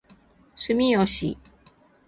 住吉